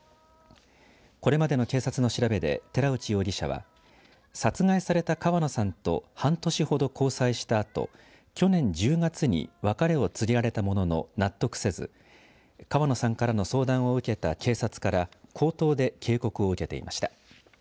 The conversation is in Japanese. これまでの警察の調べで寺内容疑者は殺害された川野さんと半年ほど交際したあと去年１０月に別れを告げられたものの納得せず川野さんからの相談を受けた警察から口頭で警告を受けていました。